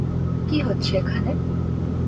কী হচ্ছে এখানে?